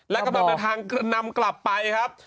และกำลังเดินทางนำกลับไปครับ